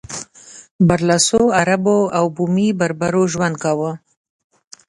برلاسو عربو او بومي بربرو ژوند کاوه.